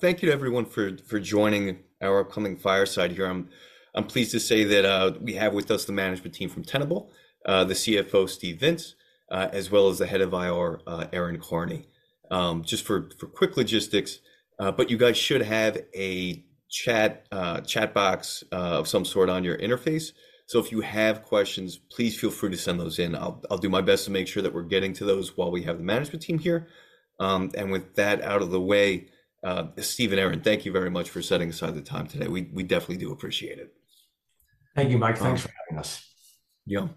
Thank you to everyone for joining our upcoming fireside here. I'm pleased to say that we have with us the management team from Tenable, the CFO, Steve Vintz, as well as the head of IR, Erin Karney. Just for quick logistics, but you guys should have a chat box of some sort on your interface. So if you have questions, please feel free to send those in. I'll do my best to make sure that we're getting to those while we have the management team here. And with that out of the way, Steve and Erin, thank you very much for setting aside the time today. We definitely do appreciate it. Thank you, Mike. Thanks for having us. Yeah.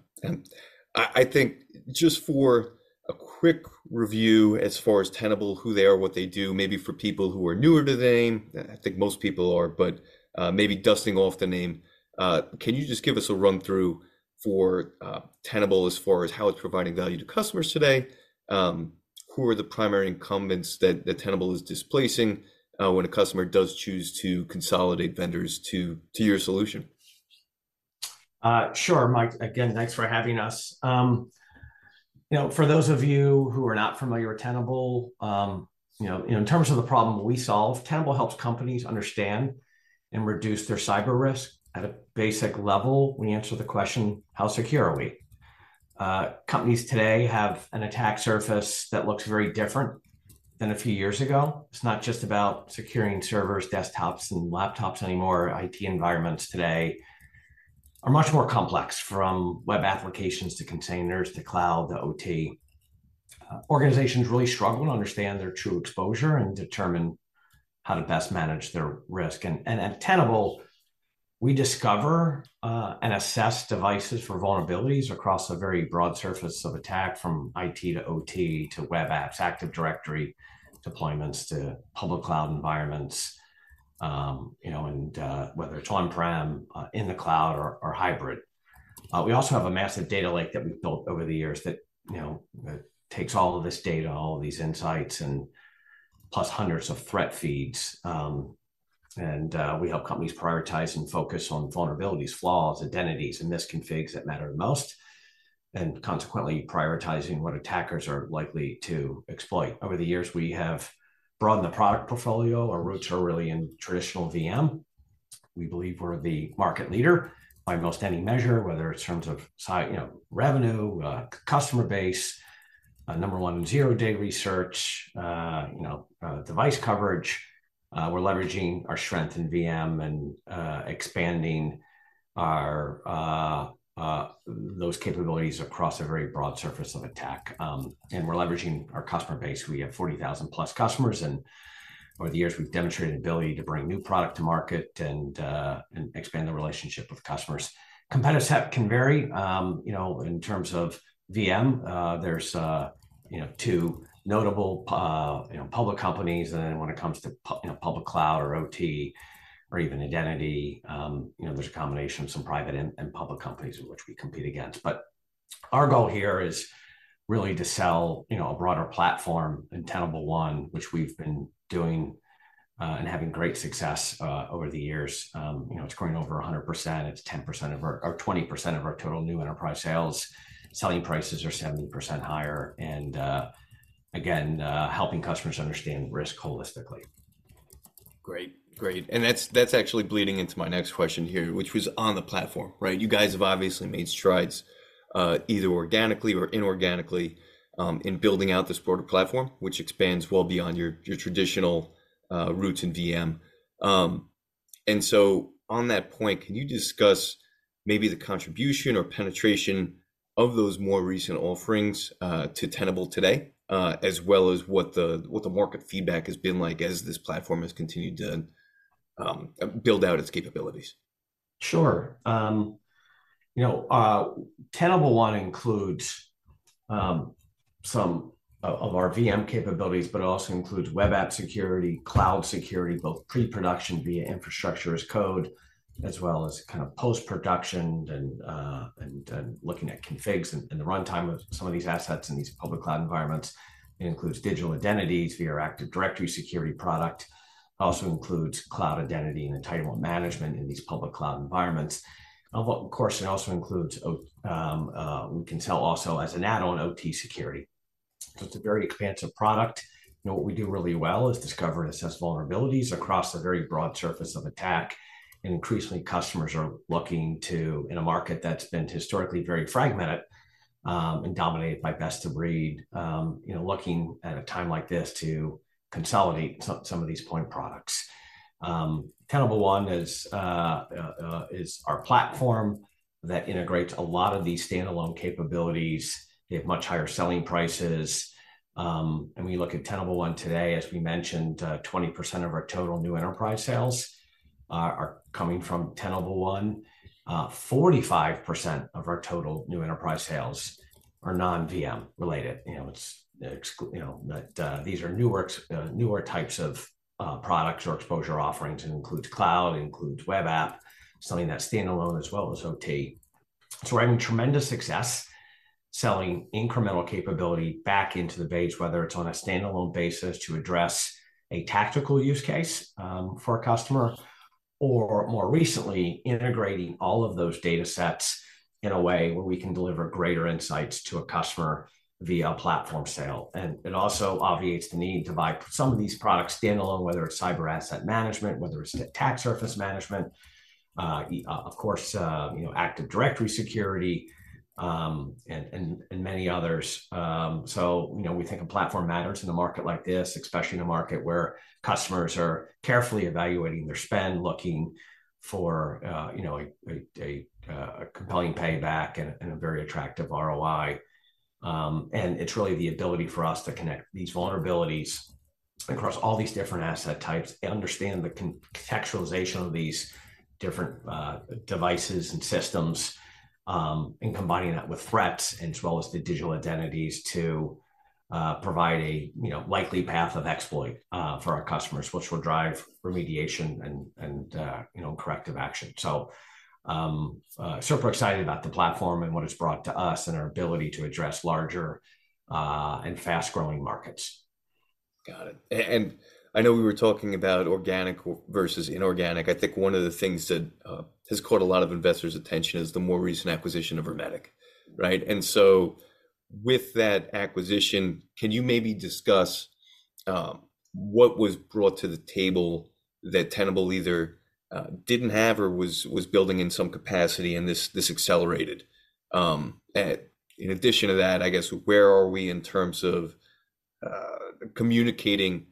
I think just for a quick review, as far as Tenable, who they are, what they do, maybe for people who are newer to the name, I think most people are, but maybe dusting off the name, can you just give us a run through for Tenable as far as how it's providing value to customers today? Who are the primary incumbents that Tenable is displacing when a customer does choose to consolidate vendors to your solution? Sure, Mike. Again, thanks for having us. You know, for those of you who are not familiar with Tenable, you know, in terms of the problem we solve, Tenable helps companies understand and reduce their cyber risk. At a basic level, we answer the question: how secure are we? Companies today have an attack surface that looks very different than a few years ago. It's not just about securing servers, desktops, and laptops anymore. IT environments today are much more complex, from web applications, to containers, to cloud, to OT. Organizations really struggle to understand their true exposure and determine how to best manage their risk. At Tenable, we discover and assess devices for vulnerabilities across a very broad surface of attack, from IT to OT to web apps, Active Directory deployments, to public cloud environments, you know, and whether it's on-prem, in the cloud or hybrid. We also have a massive data lake that we've built over the years that, you know, that takes all of this data, all of these insights, and plus hundreds of threat feeds. And we help companies prioritize and focus on vulnerabilities, flaws, identities, and misconfigs that matter the most, and consequently, prioritizing what attackers are likely to exploit. Over the years, we have broadened the product portfolio. Our roots are really in traditional VM. We believe we're the market leader by most any measure, whether it's in terms of you know, revenue, customer base, number one, zero-day research, you know, device coverage. We're leveraging our strength in VM and, expanding our, those capabilities across a very broad surface of attack. And we're leveraging our customer base. We have 40,000-plus customers, and over the years, we've demonstrated ability to bring new product to market and, and expand the relationship with customers. Competitors have can vary, you know, in terms of VM. There's, you know, two notable, you know, public companies. And then when it comes to you know, public cloud or OT or even identity, you know, there's a combination of some private and, and public companies in which we compete against. But our goal here is really to sell, you know, a broader platform in Tenable One, which we've been doing, and having great success over the years. You know, it's growing over 100%. It's 10% of our... Or 20% of our total new enterprise sales. Selling prices are 70% higher, and, again, helping customers understand risk holistically. Great. Great. And that's, that's actually bleeding into my next question here, which was on the platform, right? You guys have obviously made strides, either organically or inorganically, in building out this broader platform, which expands well beyond your, your traditional, roots in VM. And so on that point, can you discuss maybe the contribution or penetration of those more recent offerings, to Tenable today, as well as what the, what the market feedback has been like as this platform has continued to, build out its capabilities? Sure. You know, Tenable One includes some of our VM capabilities, but it also includes web app security, cloud security, both pre-production via infrastructure as code, as well as kind of post-production and looking at configs and the runtime of some of these assets in these public cloud environments. It includes digital identities via our Active Directory security product. It also includes cloud identity and entitlement management in these public cloud environments. Of course, it also includes... We can sell also as an add-on, OT security. So it's a very expansive product. You know, what we do really well is discover and assess vulnerabilities across a very broad surface of attack, and increasingly, customers are looking to, in a market that's been historically very fragmented, and dominated by best of breed, you know, looking at a time like this to consolidate some of these point products. Tenable One is our platform that integrates a lot of these standalone capabilities. We have much higher selling prices, and we look at Tenable One today, as we mentioned, 20% of our total new enterprise sales are coming from Tenable One. 45% of our total new enterprise sales are non-VM related. You know, but these are newer types of products or exposure offerings. It includes cloud, it includes web app, selling that standalone, as well as OT. So we're having tremendous success selling incremental capability back into the base, whether it's on a standalone basis to address a tactical use case for a customer or more recently, integrating all of those data sets in a way where we can deliver greater insights to a customer via a platform sale. And it also obviates the need to buy some of these products standalone, whether it's cyber asset management, whether it's Attack Surface Management, of course, you know, Active Directory security, and many others. So, you know, we think a platform matters in a market like this, especially in a market where customers are carefully evaluating their spend, looking for a compelling payback and a very attractive ROI. And it's really the ability for us to connect these vulnerabilities across all these different asset types and understand the contextualization of these different devices and systems, and combining that with threats, as well as the digital identities to provide a, you know, likely path of exploit for our customers, which will drive remediation and, you know, corrective action. So, super excited about the platform and what it's brought to us, and our ability to address larger and fast-growing markets. Got it. And I know we were talking about organic versus inorganic. I think one of the things that has caught a lot of investors' attention is the more recent acquisition of Ermetic, right? And so with that acquisition, can you maybe discuss what was brought to the table that Tenable either didn't have or was building in some capacity, and this accelerated? And in addition to that, I guess, where are we in terms of communicating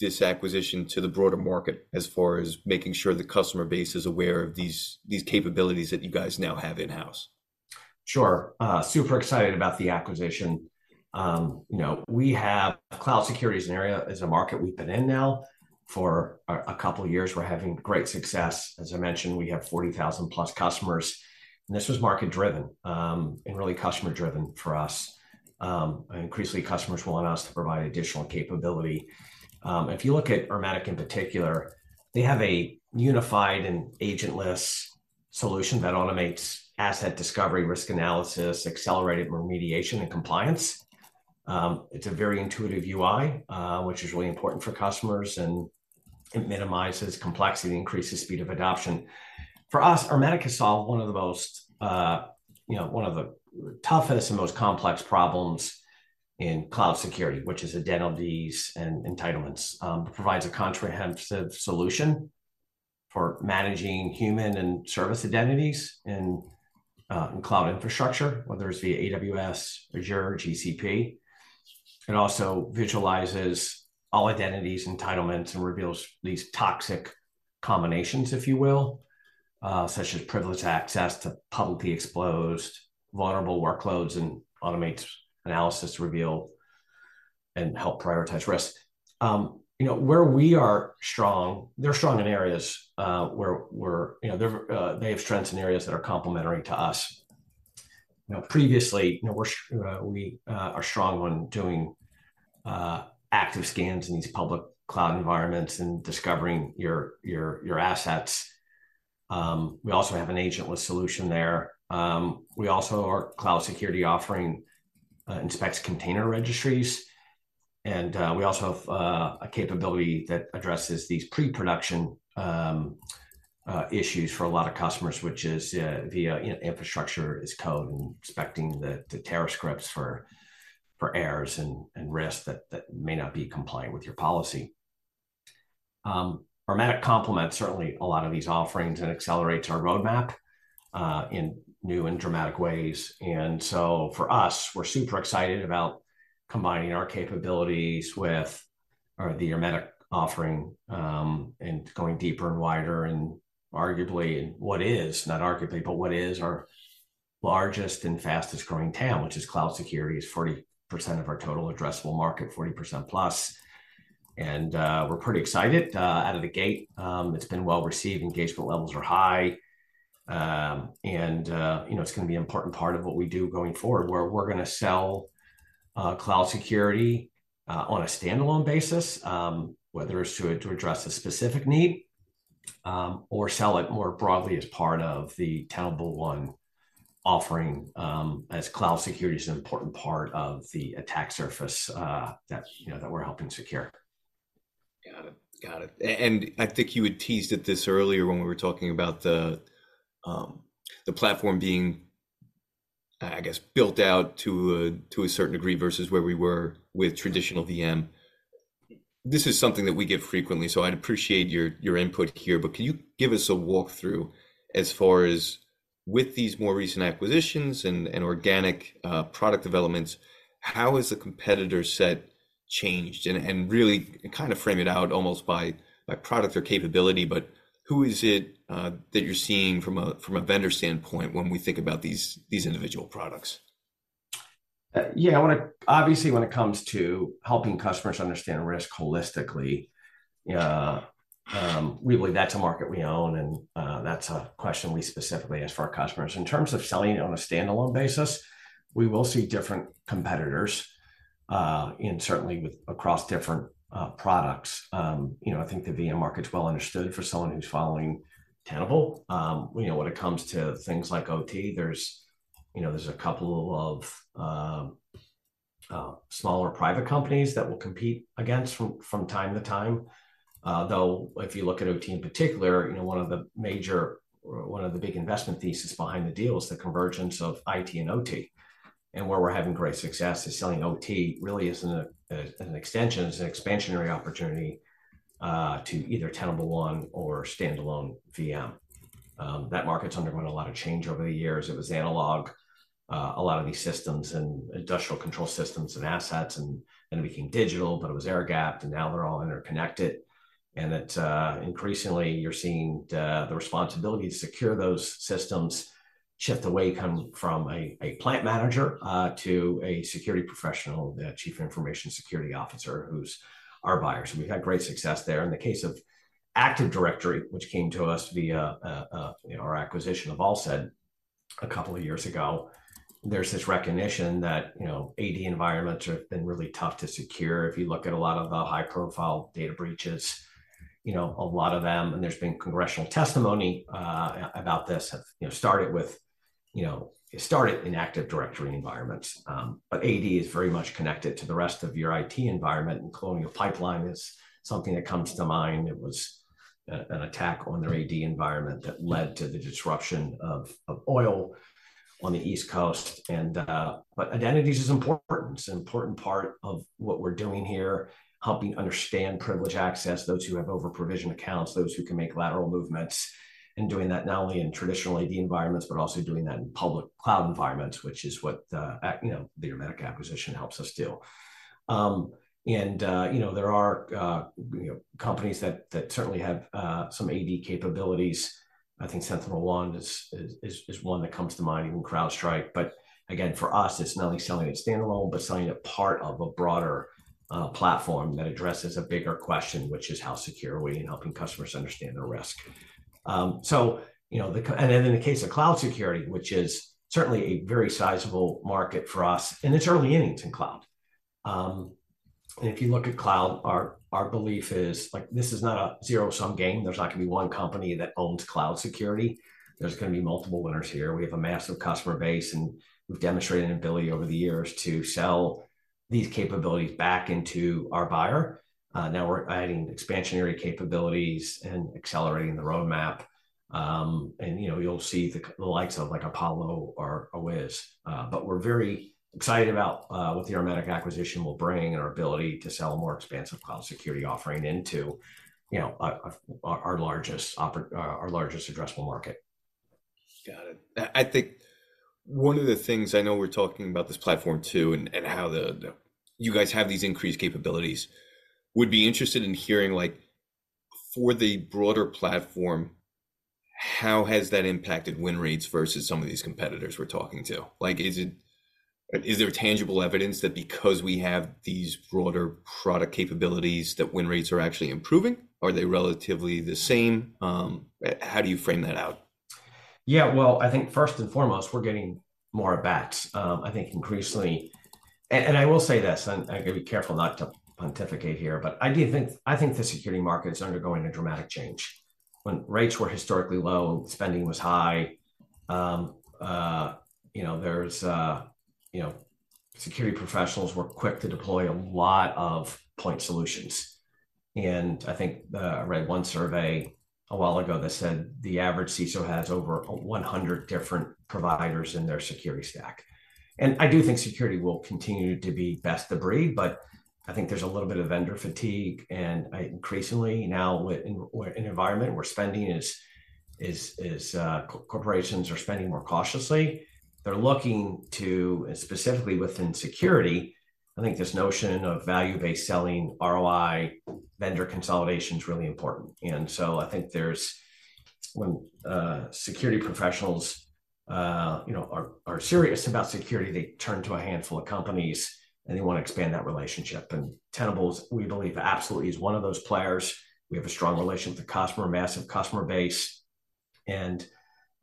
this acquisition to the broader market as far as making sure the customer base is aware of these capabilities that you guys now have in-house? Sure. Super excited about the acquisition. You know, cloud security is an area, is a market we've been in now for a couple of years. We're having great success. As I mentioned, we have 40,000 plus customers, and this was market-driven and really customer-driven for us. And increasingly, customers want us to provide additional capability. If you look at Ermetic in particular, they have a unified and agentless solution that automates asset discovery, risk analysis, accelerated remediation, and compliance. It's a very intuitive UI, which is really important for customers, and it minimizes complexity and increases speed of adoption. For us, Ermetic has solved one of the most, you know, one of the toughest and most complex problems in cloud security, which is identities and entitlements. It provides a comprehensive solution for managing human and service identities and cloud infrastructure, whether it's via AWS, Azure, or GCP. It also visualizes all identities, entitlements, and reveals these toxic combinations, if you will, such as privileged access to publicly exposed vulnerable workloads, and automates analysis to reveal and help prioritize risk. You know, where we are strong... They're strong in areas, where we're, you know, they have strengths in areas that are complementary to us. You know, previously, you know, we are strong on doing active scans in these public cloud environments and discovering your assets. We also have an agentless solution there. We also, our cloud security offering inspects container registries, and we also have a capability that addresses these pre-production issues for a lot of customers, which is via infrastructure as code and inspecting the Terraform scripts for errors and risks that may not be compliant with your policy. Ermetic complements certainly a lot of these offerings and accelerates our roadmap in new and dramatic ways. And so for us, we're super excited about combining our capabilities with the Ermetic offering and going deeper and wider, and arguably, and what is, not arguably, but what is our largest and fastest-growing TAM, which is cloud security, is 40% of our total addressable market, 40%+. And we're pretty excited out of the gate. It's been well-received. Engagement levels are high. And, you know, it's gonna be an important part of what we do going forward, where we're gonna sell cloud security on a standalone basis, whether it's to address a specific need, or sell it more broadly as part of the Tenable One offering, as cloud security is an important part of the attack surface that we're helping secure. Got it. Got it. And I think you had teased at this earlier when we were talking about the platform being, I guess, built out to a certain degree versus where we were with traditional VM. This is something that we get frequently, so I'd appreciate your input here. But can you give us a walkthrough as far as with these more recent acquisitions and organic product developments, how has the competitor set changed? And really, kind of frame it out almost by product or capability, but who is it that you're seeing from a vendor standpoint when we think about these individual products? Yeah, obviously, when it comes to helping customers understand risk holistically, we believe that's a market we own, and that's a question we specifically ask for our customers. In terms of selling it on a standalone basis, we will see different competitors, and certainly across different products. You know, I think the VM market's well understood for someone who's following Tenable. You know, when it comes to things like OT, there's, you know, there's a couple of smaller private companies that we'll compete against from, from time to time. Though, if you look at OT in particular, you know, one of the major, or one of the big investment thesis behind the deal is the convergence of IT and OT. And where we're having great success is selling OT, really isn't an extension, it's an expansionary opportunity to either Tenable One or standalone VM. That market's undergone a lot of change over the years. It was analog, a lot of these systems and industrial control systems and assets, and then became digital, but it was air-gapped, and now they're all interconnected. And that increasingly, you're seeing the responsibility to secure those systems shift away from a plant manager to a security professional, the Chief Information Security Officer, who's our buyers. And we've had great success there. In the case of Active Directory, which came to us via you know, our acquisition of Alsid a couple of years ago, there's this recognition that you know, AD environments have been really tough to secure. If you look at a lot of the high-profile data breaches, you know, a lot of them, and there's been congressional testimony about this, have, you know, started with, you know, started in Active Directory environments. But AD is very much connected to the rest of your IT environment, and Colonial Pipeline is something that comes to mind. It was an attack on their AD environment that led to the disruption of oil on the East Coast. But identities is important. It's an important part of what we're doing here, helping understand privilege access, those who have over-provisioned accounts, those who can make lateral movements, and doing that not only in traditional AD environments, but also doing that in public cloud environments, which is what, you know, the Ermetic acquisition helps us do. And, you know, there are, you know, companies that certainly have some AD capabilities. I think SentinelOne is one that comes to mind, even CrowdStrike. But again, for us, it's not only selling it standalone, but selling it part of a broader platform that addresses a bigger question, which is, how secure are we in helping customers understand their risk? So you know, and then in the case of cloud security, which is certainly a very sizable market for us, and it's early innings in cloud. And if you look at cloud, our belief is, like, this is not a zero-sum game. There's not gonna be one company that owns cloud security. There's gonna be multiple winners here. We have a massive customer base, and we've demonstrated an ability over the years to sell these capabilities back into our base. Now we're adding expansionary capabilities and accelerating the roadmap. And, you know, you'll see the likes of, like, Palo Alto or Wiz. But we're very excited about what the Ermetic acquisition will bring and our ability to sell a more expansive cloud security offering into, you know, our largest addressable market. Got it. I think one of the things I know we're talking about this platform, too, and how you guys have these increased capabilities. Would be interested in hearing, like, for the broader platform, how has that impacted win rates versus some of these competitors we're talking to? Like, is there tangible evidence that because we have these broader product capabilities, that win rates are actually improving? Are they relatively the same? How do you frame that out? Yeah, well, I think first and foremost, we're getting more at bats. I think increasingly... And I will say this, and I've got to be careful not to pontificate here, but I do think, I think the security market's undergoing a dramatic change. When rates were historically low, spending was high. You know, there's, you know, security professionals were quick to deploy a lot of point solutions, and I think I read one survey a while ago that said the average CISO has over 100 different providers in their security stack. And I do think security will continue to be best of breed, but I think there's a little bit of vendor fatigue. And increasingly now with, in, we're in an environment where spending is... Corporations are spending more cautiously. They're looking to, and specifically within security, I think this notion of value-based selling, ROI, vendor consolidation is really important. And so I think there's when security professionals, you know, are serious about security, they turn to a handful of companies, and they want to expand that relationship. And Tenable, we believe, absolutely is one of those players. We have a strong relationship with customer, massive customer base, and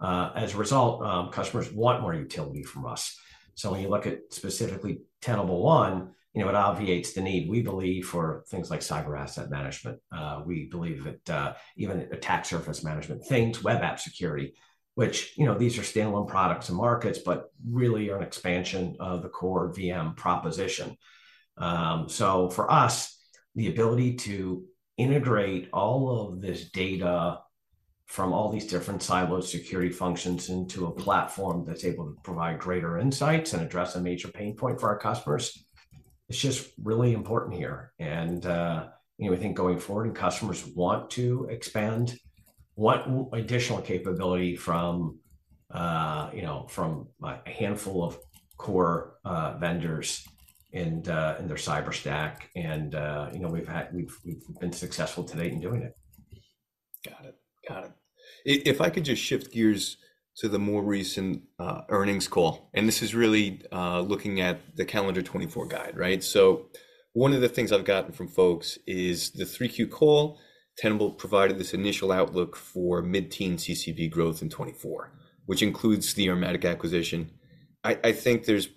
as a result, customers want more utility from us. So when you look at specifically Tenable One, you know, it obviates the need, we believe, for things like cyber asset management. We believe that even attack surface management, web app security, which, you know, these are standalone products and markets, but really are an expansion of the core VM proposition. So for us, the ability to integrate all of this data from all these different siloed security functions into a platform that's able to provide greater insights and address a major pain point for our customers, it's just really important here. And, you know, I think going forward, and customers want to expand, want additional capability from, you know, from a handful of core vendors in their cyber stack. And, you know, we've been successful to date in doing it. Got it. Got it. If I could just shift gears to the more recent earnings call, and this is really looking at the calendar 2024 guide, right? So one of the things I've gotten from folks is the 3Q call, Tenable provided this initial outlook for mid-teen CCB growth in 2024, which includes the Ermetic acquisition. I think there's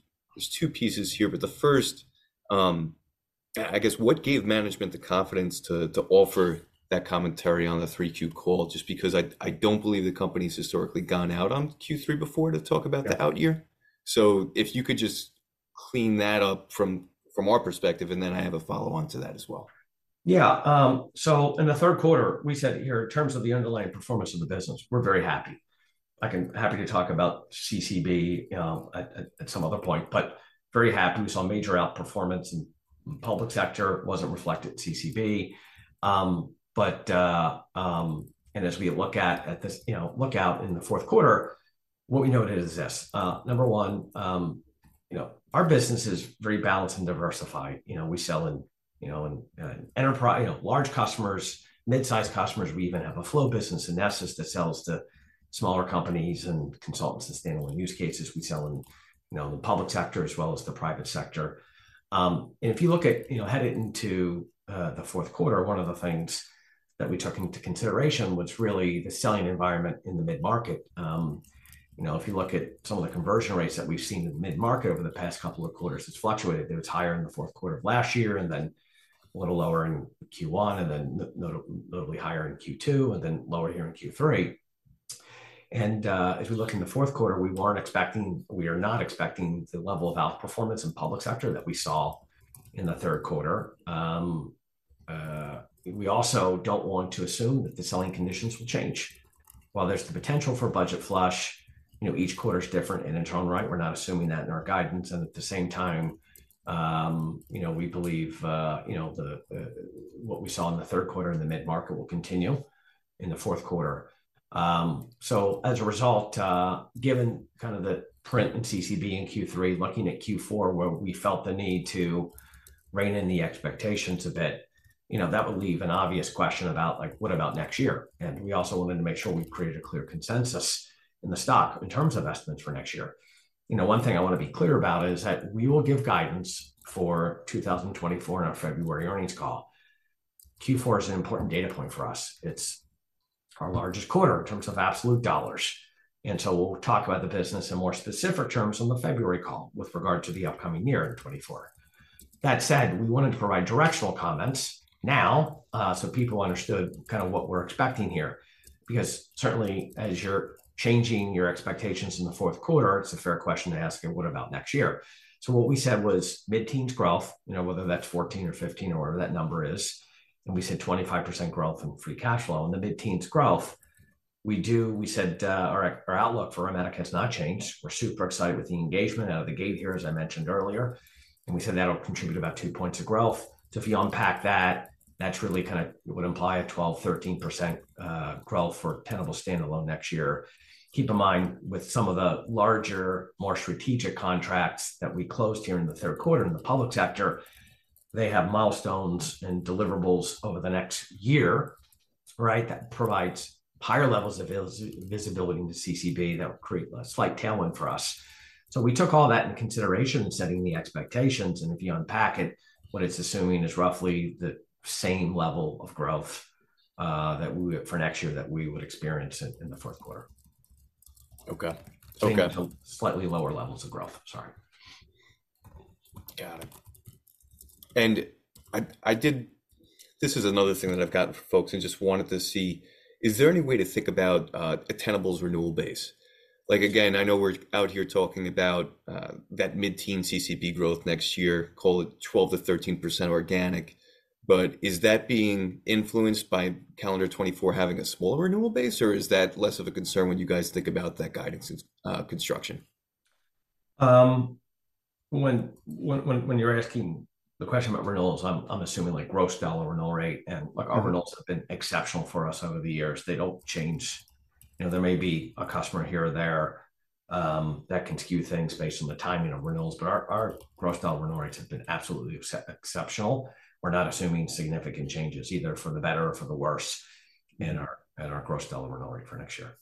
two pieces here, but the first, I guess what gave management the confidence to offer that commentary on the 3Q call? Just because I don't believe the company's historically gone out on Q3 before to talk about the out year. So if you could just clean that up from our perspective, and then I have a follow-on to that as well. Yeah. So in the third quarter, we said here, in terms of the underlying performance of the business, we're very happy. I'm happy to talk about CCB at some other point, but very happy. We saw major outperformance in public sector, wasn't reflected at CCB. But as we look at this, you know, look out in the fourth quarter, what we noted is this, number one, you know, our business is very balanced and diversified. You know, we sell in, you know, in enterprise, you know, large customers, mid-sized customers. We even have a flow business in Nessus that sells to smaller companies and consultants and standalone use cases. We sell in, you know, the public sector as well as the private sector. And if you look at, you know, headed into the fourth quarter, one of the things that we took into consideration was really the selling environment in the mid-market. You know, if you look at some of the conversion rates that we've seen in the mid-market over the past couple of quarters, it's fluctuated. It was higher in the fourth quarter of last year, and then a little lower in Q1, and then notably higher in Q2, and then lower here in Q3. And, as we look in the fourth quarter, we weren't expecting, we are not expecting the level of outperformance in public sector that we saw in the third quarter. We also don't want to assume that the selling conditions will change. While there's the potential for budget flush, you know, each quarter is different, and in its own right, we're not assuming that in our guidance. And at the same time, you know, we believe, you know, what we saw in the third quarter in the mid-market will continue in the fourth quarter. So as a result, given kind of the print in CCB in Q3, looking at Q4, where we felt the need to rein in the expectations a bit, you know, that would leave an obvious question about like, what about next year? And we also wanted to make sure we created a clear consensus in the stock in terms of estimates for next year. You know, one thing I want to be clear about is that we will give guidance for 2024 in our February earnings call. Q4 is an important data point for us. It's our largest quarter in terms of absolute dollars, and so we'll talk about the business in more specific terms on the February call with regard to the upcoming year in 2024. That said, we wanted to provide directional comments now, so people understood kind of what we're expecting here, because certainly, as you're changing your expectations in the fourth quarter, it's a fair question to ask, "And what about next year?" So what we said was mid-teens growth, you know, whether that's 14% or 15% or whatever that number is, and we said 25% growth in free cash flow. In the mid-teens growth, we said our outlook for Ermetic has not changed. We're super excited with the engagement out of the gate here, as I mentioned earlier, and we said that'll contribute about 2 points of growth. So if you unpack that, that's really kind of would imply a 12%-13% growth for Tenable standalone next year. Keep in mind, with some of the larger, more strategic contracts that we closed here in the third quarter in the public sector, they have milestones and deliverables over the next year, right? That provides higher levels of visibility into CCB. That will create a slight tailwind for us. So we took all that into consideration in setting the expectations, and if you unpack it, what it's assuming is roughly the same level of growth that we would, for next year, that we would experience in the fourth quarter. Okay. Okay. Slightly lower levels of growth. Sorry. Got it. And I did. This is another thing that I've gotten from folks and just wanted to see. Is there any way to think about a Tenable's renewal base? Like, again, I know we're out here talking about that mid-teen CCB growth next year, call it 12%-13% organic, but is that being influenced by calendar 2024 having a smaller renewal base, or is that less of a concern when you guys think about that guidance's construction? When you're asking the question about renewals, I'm assuming, like, gross dollar renewal rate, and like, our renewals have been exceptional for us over the years. They don't change. You know, there may be a customer here or there that can skew things based on the timing of renewals, but our gross dollar renewal rates have been absolutely exceptional. We're not assuming significant changes, either for the better or for the worse, in our gross dollar renewal rate for next year.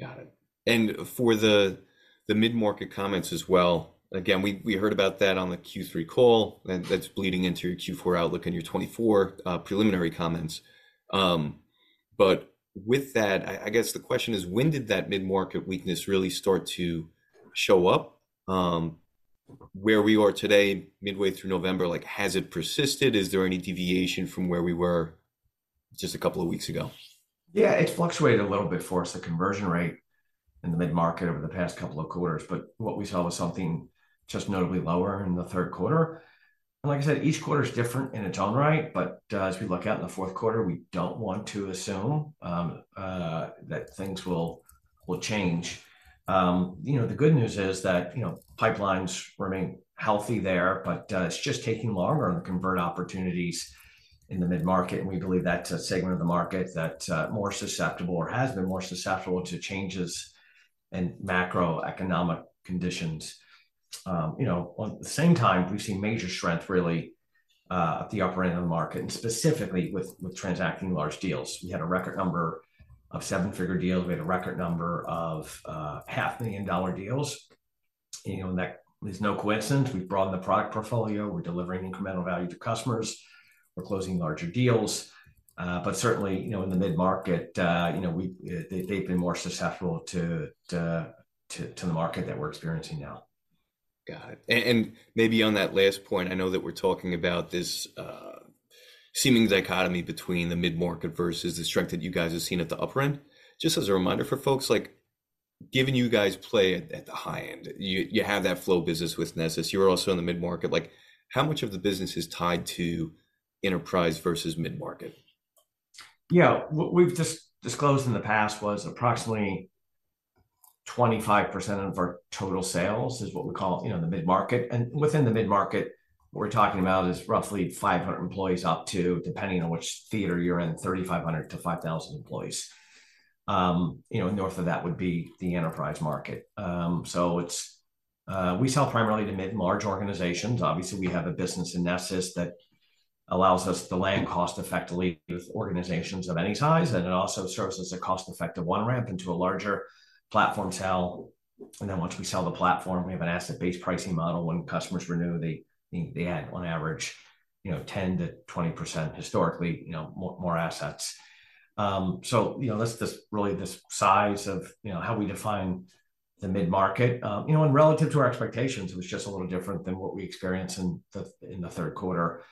Got it. And for the mid-market comments as well, again, we heard about that on the Q3 call, and that's bleeding into your Q4 outlook and your 2024 preliminary comments. But with that, I guess the question is: when did that mid-market weakness really start to show up? Where we are today, midway through November, like, has it persisted? Is there any deviation from where we were just a couple of weeks ago? Yeah, it's fluctuated a little bit for us, the conversion rate in the mid-market over the past couple of quarters. But what we saw was something just notably lower in the third quarter. And like I said, each quarter is different in its own right, but as we look out in the fourth quarter, we don't want to assume that things will change. You know, the good news is that, you know, pipelines remain healthy there, but it's just taking longer to convert opportunities in the mid-market, and we believe that's a segment of the market that more susceptible or has been more susceptible to changes in macroeconomic conditions. You know, on the same time, we've seen major strength really at the upper end of the market, and specifically with transacting large deals. We had a record number of seven-figure deals. We had a record number of $500,000 deals. You know, that is no coincidence. We've broadened the product portfolio. We're delivering incremental value to customers. We're closing larger deals. But certainly, you know, in the mid-market, you know, they've been more susceptible to the market that we're experiencing now. Got it. And maybe on that last point, I know that we're talking about this seeming dichotomy between the mid-market versus the strength that you guys have seen at the upper end. Just as a reminder for folks, like, given you guys play at the high end, you have that flow business with Nessus. You are also in the mid-market. Like, how much of the business is tied to enterprise versus mid-market? Yeah. What we've just disclosed in the past was approximately 25% of our total sales is what we call, you know, the mid-market. And within the mid-market, what we're talking about is roughly 500 employees, up to, depending on which theater you're in, 3,500-5,000 employees. You know, north of that would be the enterprise market. So it's, we sell primarily to mid and large organizations. Obviously, we have a business in Nessus that allows us to land cost-effectively with organizations of any size, and it also serves as a cost-effective on-ramp into a larger platform sale. And then once we sell the platform, we have an asset-based pricing model. When customers renew, they, they add on average, you know, 10%-20%, historically, you know, more, more assets. So, you know, this really, this size of, you know, how we define the mid-market, and relative to our expectations, it was just a little different than what we experienced in the third quarter.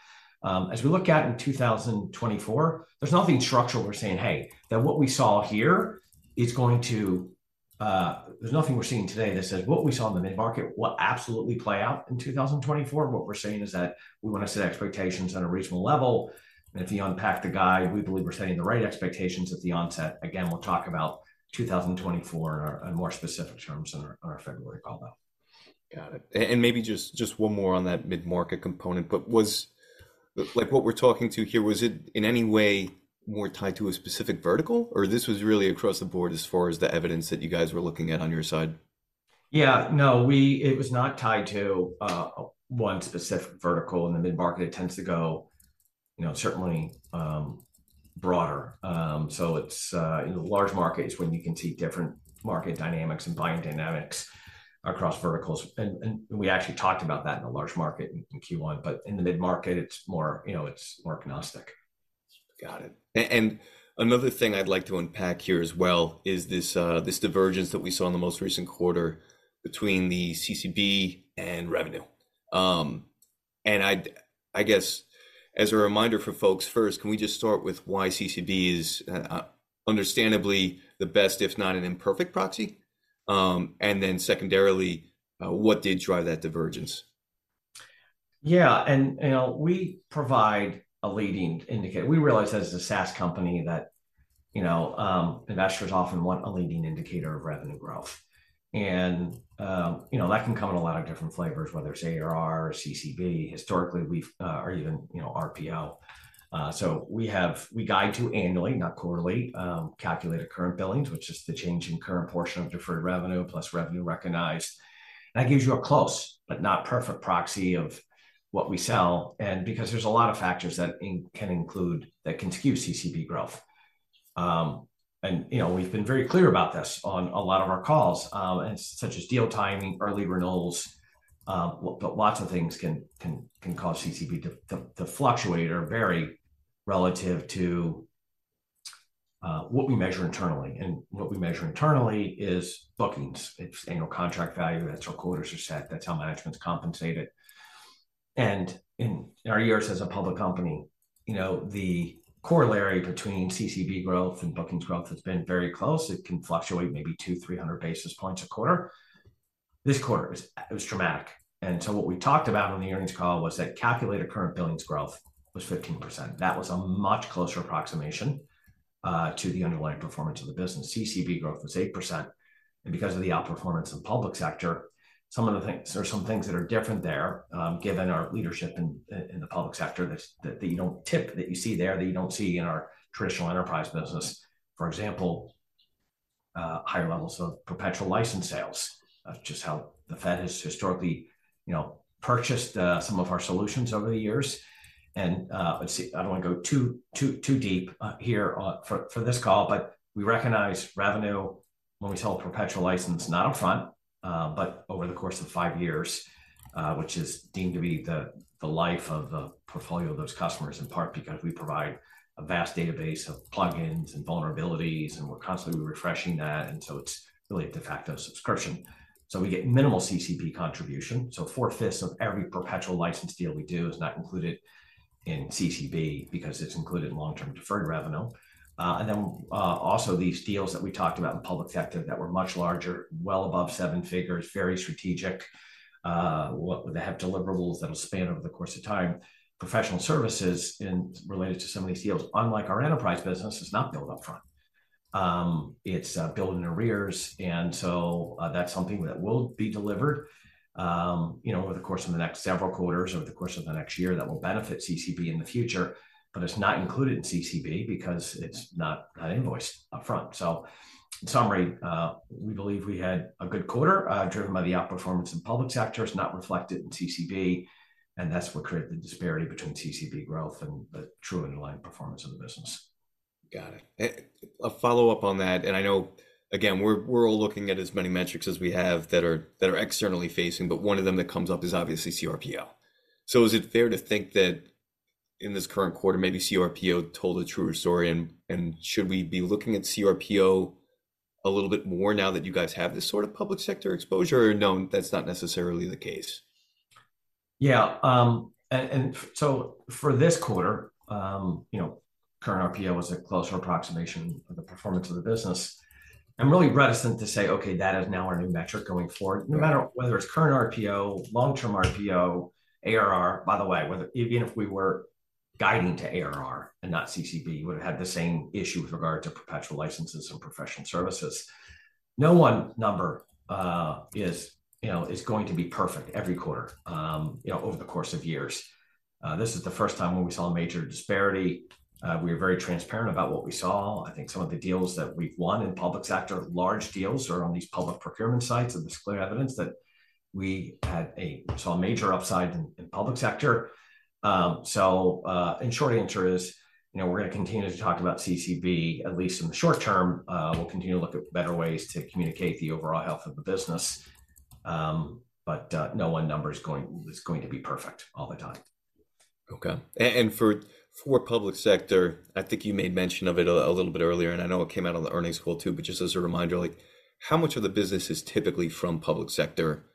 As we look out in 2024, there's nothing structural. We're saying, "Hey, that what we saw here is going to..." There's nothing we're seeing today that says what we saw in the mid-market will absolutely play out in 2024. What we're saying is that we wanna set expectations at a reasonable level. If you unpack the guide, we believe we're setting the right expectations at the onset. Again, we'll talk about 2024 in more specific terms on our February call, though. Got it. And maybe just one more on that mid-market component, but was... Like, what we're talking to here, was it in any way more tied to a specific vertical, or this was really across the board as far as the evidence that you guys were looking at on your side? Yeah. No, we, it was not tied to one specific vertical. In the mid-market, it tends to go, you know, certainly broader. So it's in the large markets when you can see different market dynamics and buying dynamics across verticals, and we actually talked about that in the large market in Q1. But in the mid-market, it's more, you know, it's more agnostic. Got it. And another thing I'd like to unpack here as well is this divergence that we saw in the most recent quarter between the CCB and revenue. And I guess, as a reminder for folks, first, can we just start with why CCB is understandably the best, if not an imperfect, proxy? And then secondarily, what did drive that divergence? Yeah, and, you know, we provide a leading indicator. We realize as a SaaS company that, you know, investors often want a leading indicator of revenue growth. You know, that can come in a lot of different flavors, whether it's ARR or CCB. Historically, we've or even, you know, RPO. So we guide to annually, not quarterly, calculated current billings, which is the change in current portion of deferred revenue, plus revenue recognized. That gives you a close, but not perfect, proxy of what we sell, and because there's a lot of factors that can include, that can skew CCB growth. And, you know, we've been very clear about this on a lot of our calls, such as deal timing, early renewals, but lots of things can cause CCB to fluctuate or vary relative to what we measure internally. And what we measure internally is bookings. It's annual contract value. That's how quarters are set, that's how management's compensated. And in our years as a public company, you know, the corollary between CCB growth and bookings growth has been very close. It can fluctuate maybe 200 basis points -300 basis points a quarter. This quarter, it was dramatic. And so what we talked about on the earnings call was that Calculated Current Billings growth was 15%. That was a much closer approximation to the underlying performance of the business. CCB growth was 8%, and because of the outperformance in public sector, some of the things there are some things that are different there, given our leadership in the public sector, this, that you don't type that you see there, that you don't see in our traditional enterprise business. For example, higher levels of perpetual license sales. That's just how the Fed has historically, you know, purchased some of our solutions over the years. Let's see, I don't wanna go too deep here for this call, but we recognize revenue when we sell a perpetual license, not upfront, but over the course of five years, which is deemed to be the life of the portfolio of those customers, in part because we provide a vast database of plugins and vulnerabilities, and we're constantly refreshing that, and so it's really a de facto subscription. So we get minimal CCB contribution. So four-fifths of every perpetual license deal we do is not included in CCB because it's included in long-term deferred revenue. And then, also, these deals that we talked about in the public sector that were much larger, well above seven figures, very strategic, what they have deliverables that'll span over the course of time. Professional services, related to some of these deals, unlike our enterprise business, is not billed upfront. It's billed in arrears, and so that's something that will be delivered, you know, over the course of the next several quarters, over the course of the next year, that will benefit CCB in the future. But it's not included in CCB because it's not invoiced upfront. So in summary, we believe we had a good quarter, driven by the outperformance in public sector. It's not reflected in CCB, and that's what created the disparity between CCB growth and the true underlying performance of the business.... Got it. A follow-up on that, and I know, again, we're all looking at as many metrics as we have that are externally facing, but one of them that comes up is obviously CRPO. So is it fair to think that in this current quarter, maybe CRPO told a truer story? And should we be looking at CRPO a little bit more now that you guys have this sort of public sector exposure, or no, that's not necessarily the case? Yeah. And so for this quarter, you know, current RPO is a closer approximation of the performance of the business. I'm really reticent to say, "Okay, that is now our new metric going forward. Right. No matter whether it's current RPO, long-term RPO, ARR... By the way, whether even if we were guiding to ARR and not CCB, you would have had the same issue with regard to perpetual licenses or professional services. No one number, is, you know, is going to be perfect every quarter, you know, over the course of years. This is the first time where we saw a major disparity. We were very transparent about what we saw. I think some of the deals that we've won in public sector, large deals, are on these public procurement sites, and there's clear evidence that we had a saw a major upside in public sector. So, and short answer is, you know, we're gonna continue to talk about CCB, at least in the short term. We'll continue to look at better ways to communicate the overall health of the business. But no one number is going, is going to be perfect all the time. Okay. And for public sector, I think you made mention of it a little bit earlier, and I know it came out on the earnings call, too. But just as a reminder, like, how much of the business is typically from public sector?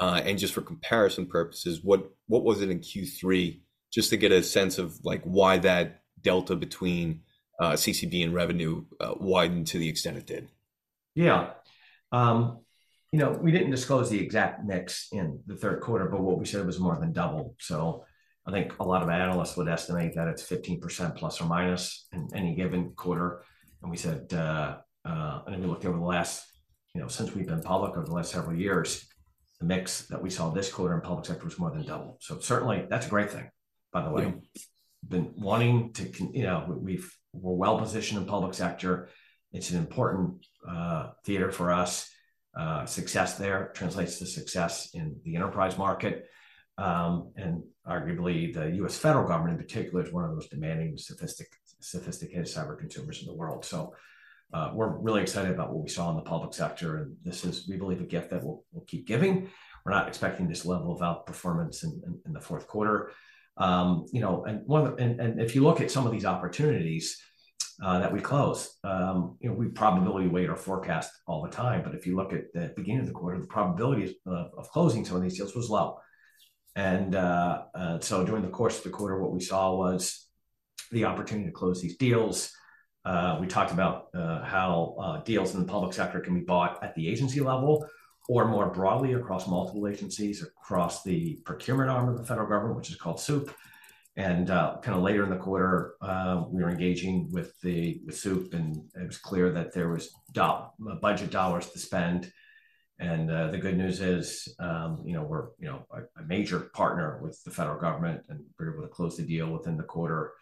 And just for comparison purposes, what was it in Q3? Just to get a sense of, like, why that delta between CCB and revenue widened to the extent it did. Yeah. You know, we didn't disclose the exact mix in the third quarter, but what we said it was more than double. So I think a lot of analysts would estimate that it's 15% ± in any given quarter. And we said, and if you look over the last, you know, since we've been public, over the last several years, the mix that we saw this quarter in public sector was more than double. So certainly, that's a great thing, by the way. Yeah. You know, we're well positioned in public sector. It's an important theater for us. Success there translates to success in the enterprise market. And arguably, the U.S. federal government in particular, is one of the most demanding, sophisticated cyber consumers in the world. So, we're really excited about what we saw in the public sector, and this is, we believe, a gift that will keep giving. We're not expecting this level of outperformance in the fourth quarter. You know, and one of the... And if you look at some of these opportunities that we closed, you know, we probability weight our forecast all the time, but if you look at the beginning of the quarter, the probability of closing some of these deals was low. So during the course of the quarter, what we saw was the opportunity to close these deals. We talked about how deals in the public sector can be bought at the agency level or more broadly across multiple agencies, across the procurement arm of the federal government, which is called SEWP. Kinda later in the quarter, we were engaging with SEWP, and it was clear that there was budget dollars to spend. The good news is, you know, we're, you know, a major partner with the federal government, and we were able to close the deal within the quarter.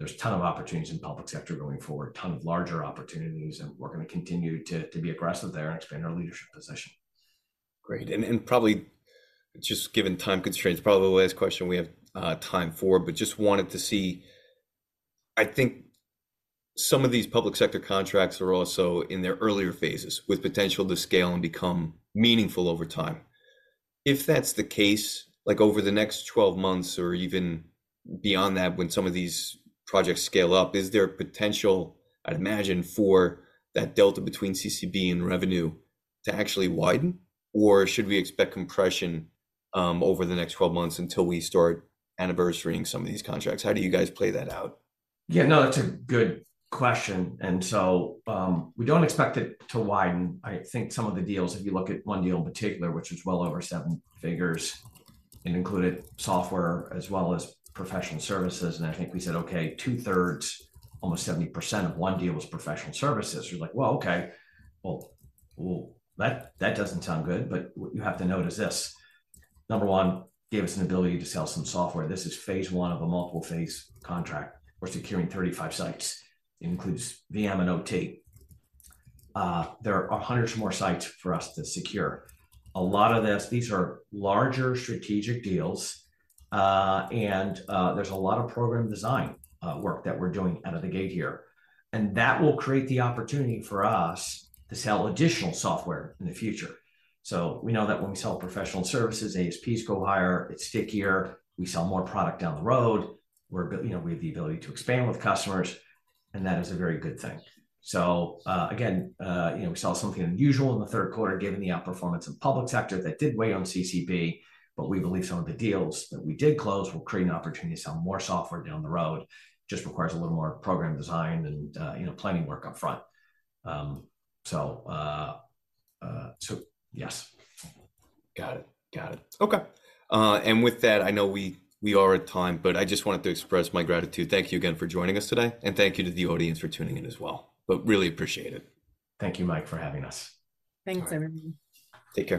There's a ton of opportunities in public sector going forward, a ton of larger opportunities, and we're gonna continue to be aggressive there and expand our leadership position. Great. And probably just given time constraints, probably the last question we have time for, but just wanted to see... I think some of these public sector contracts are also in their earlier phases, with potential to scale and become meaningful over time. If that's the case, like over the next 12 months or even beyond that, when some of these projects scale up, is there potential, I'd imagine, for that delta between CCB and revenue to actually widen, or should we expect compression over the next 12 months until we start anniversaring some of these contracts? How do you guys play that out? Yeah, no, that's a good question. So, we don't expect it to widen. I think some of the deals, if you look at one deal in particular, which is well over seven figures, and included software as well as professional services, and I think we said, okay, two-thirds, almost 70% of one deal was professional services. You're like: Well, okay. Well, that doesn't sound good. But what you have to note is this: number one, gave us an ability to sell some software. This is phase one of a multiple-phase contract. We're securing 35 sites, includes VM and OT. There are hundreds more sites for us to secure. A lot of this, these are larger strategic deals, and there's a lot of program design work that we're doing out of the gate here, and that will create the opportunity for us to sell additional software in the future. So we know that when we sell professional services, ASPs go higher, it's stickier, we sell more product down the road. You know, we have the ability to expand with customers, and that is a very good thing. So, again, you know, we saw something unusual in the third quarter, given the outperformance of public sector that did weigh on CCB, but we believe some of the deals that we did close will create an opportunity to sell more software down the road. Just requires a little more program design and, you know, planning work up front. So yes. Got it. Got it. Okay, and with that, I know we, we are at time, but I just wanted to express my gratitude. Thank you again for joining us today, and thank you to the audience for tuning in as well, but really appreciate it. Thank you, Mike, for having us. Thanks, everyone. Take care.